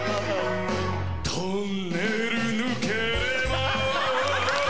トンネル抜ければ